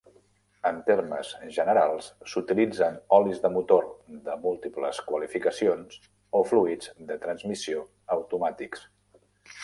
En termes generals, s'utilitzen olis de motor de múltiples qualificacions o fluids de transmissió automàtics.